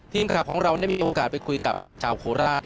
ทีมข่าวของเราได้มีโอกาสไปคุยกับชาวโคราช